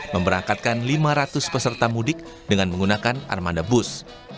memberangkatkan lima ratus peserta mudik dengan menggunakan armada bus